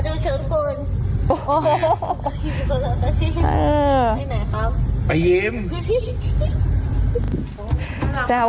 สวัสดีครับ